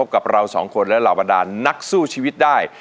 กับเราสองคนและเหล่าบรรดานนักสู้ชีวิตได้